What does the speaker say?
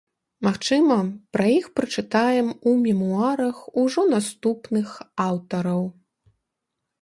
Магчыма, пра іх прачытаем у мемуарах ужо наступных аўтараў.